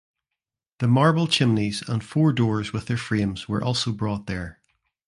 The marble chimneys and four doors with their frames were also brought there.